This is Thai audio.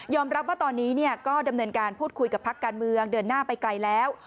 รับว่าตอนนี้ก็ดำเนินการพูดคุยกับพักการเมืองเดินหน้าไปไกลแล้ว